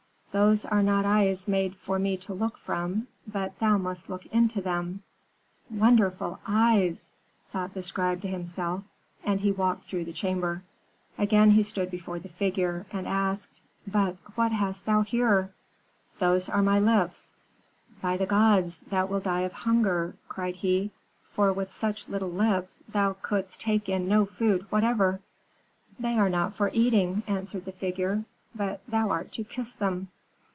"'Those are not eyes made for me to look from, but thou must look into them.' "'Wonderful eyes!' thought the scribe to himself; and he walked through the chamber. "Again he stood before the figure, and asked, "'But what hast thou here?' "'Those are my lips.' "'By the gods, thou wilt die of hunger,' cried he, 'for with such little lips thou couldst take in no food whatever.' "'They are not for eating,' answered the figure, 'but thou art to kiss them.'